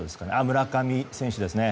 村上選手ですね。